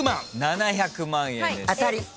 ７００万円です。